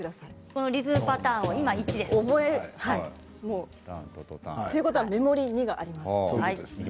このリズムパターンということはメモリー２があります。